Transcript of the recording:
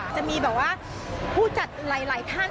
จะมีแบบว่าผู้จัดหลายท่าน